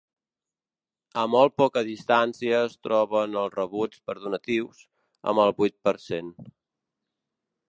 A molt poca distància es troben els rebuts per donatius, amb el vuit per cent.